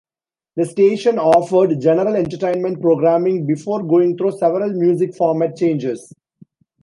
The station offered general entertainment programming before going through several music format changes.